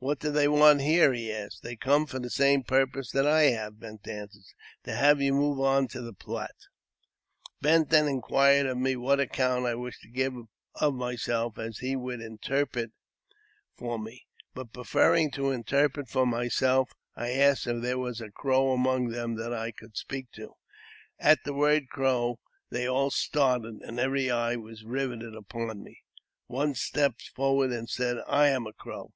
"What do they want here ?" he asked. "They come for the same purpose that I have," Bent answered, " to have you move on to the Platte." Bent then inquired of me what account I wished to give o myself, as he would interpret for me; but, preferring to interpret for myself, I asked if their was a Crow among the that I could speak to. At the word '•' Crow " they all started, and every eye was riveted upon me. One stepped forward, and said, " I am a Crow."